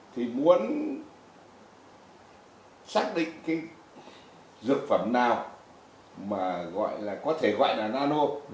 thì muốn xác định cái dược phẩm nào mà có thể gọi là nano